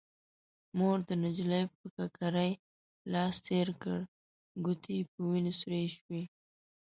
مور د نجلۍ پر ککرۍ لاس تير کړ، ګوتې يې په وينو سرې شوې.